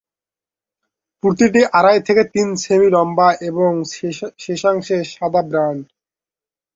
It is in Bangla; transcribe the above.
প্রতিটি আড়াই থেকে তিন সেমি লম্বা এবং শেষাংশে সাদা ব্যান্ড।